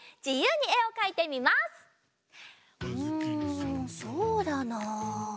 うんそうだな。